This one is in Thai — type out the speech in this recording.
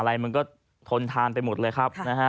อะไรมันก็ทนทานไปหมดเลยครับนะฮะ